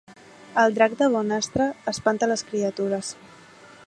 El drac de Bonastre espanta les criatures